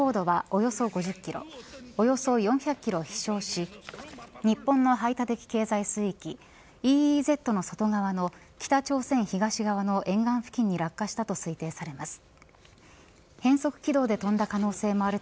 およそ４００キロ飛翔し日本の排他的経済水域ＥＥＺの外側の北朝鮮東側の沿岸付近に落下したと推定されます。